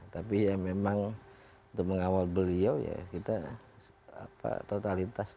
tapi ya memang untuk mengawal beliau ya kita totalitas